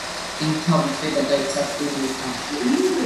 იმთავითვე გადაიქცა აქტიურ ვულკანად.